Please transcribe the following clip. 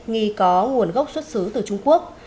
nghi có nguồn gốc xuất xứ từ trung quốc